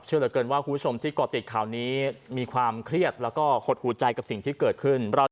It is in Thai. เหลือเกินว่าคุณผู้ชมที่ก่อติดข่าวนี้มีความเครียดแล้วก็หดหูใจกับสิ่งที่เกิดขึ้น